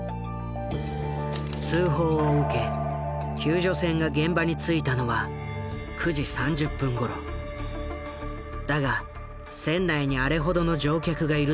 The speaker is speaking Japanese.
通報を受け救助船が現場に着いたのはだが船内にあれほどの乗客がいるとは知らなかった。